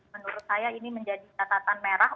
menurut saya ini menjadi catatan merah